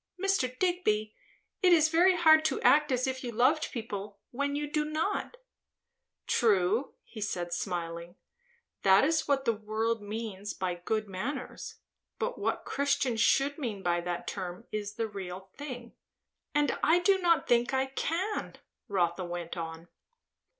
"Mr. Digby, it is very hard to act as if you loved people, when you do not." "True," said he smiling. "That is what the world means by good manners. But what Christians should mean by that term is the real thing." "And I do not think I can," Rotha went on.